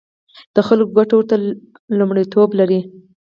د خلکو ګټې ورته لومړیتوب لري.